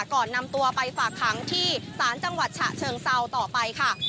ก่อนนำตัวไปฝากขังที่ศาลจังหวัดฉะเชิงเซาต่อไปค่ะ